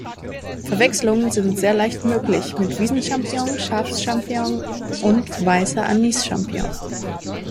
Verwechslungen sind sehr leicht möglich mit Wiesen-Champignon, Schaf-Champignon und Weißer Anis-Champignon.